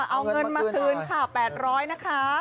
เอาเงินมาคืนค่ะ๘๐๐นะคะ